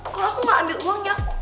kalau aku gak ambil uangnya